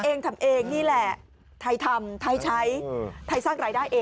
เองทำเองนี่แหละไทยทำไทยใช้ไทยสร้างรายได้เอง